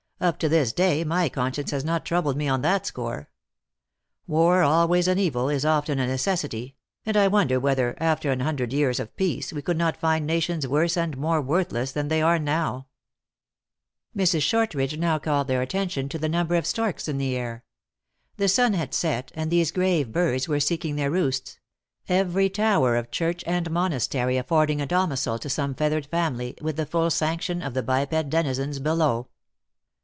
Up to this day my conscience has not troubled me on that score. War, always an evil, is often a THE ACTRESS IN" HIGH LIFE. 183 necessity ; and I wonder whether, after an hundred years of peace, we would not find nations worse and more worthless than they now are." Mrs. Shortridge now called their attention to the number of storks in the air. The sun had set, and these grave birds were seeking their roosts; every tower of church and monastery affording a domicil to some feathered family, with the full sanction of the biped denizens below.